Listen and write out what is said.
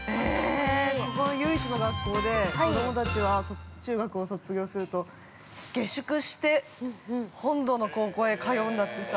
◆ここが唯一の学校で子供たちは、中学校を卒業すると下宿して本土の高校へ通うんだってさ。